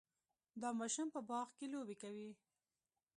دا ماشوم په باغ کې لوبې کوي.